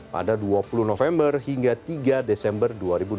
pada dua puluh november hingga tiga desember dua ribu dua puluh